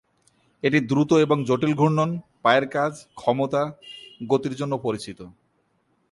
এটি দ্রুত এবং জটিল ঘূর্ণন, পায়ের কাজ, ক্ষমতা, গতির জন্য পরিচিত।